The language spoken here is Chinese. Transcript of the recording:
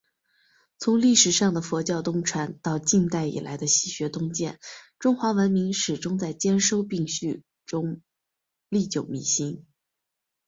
从历史上的佛教东传……到近代以来的“西学东渐”……中华文明始终在兼收并蓄中历久弥新。